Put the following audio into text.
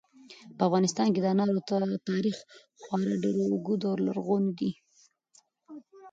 په افغانستان کې د انارو تاریخ خورا ډېر اوږد او لرغونی دی.